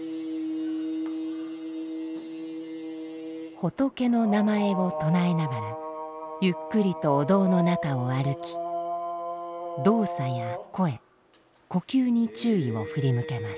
仏の名前を唱えながらゆっくりとお堂の中を歩き動作や声呼吸に注意を振り向けます。